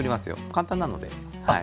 簡単なのではい。